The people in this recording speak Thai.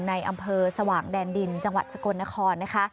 ในอำเภอสว่างแดนดินจังหวัดสกลนครนะคะ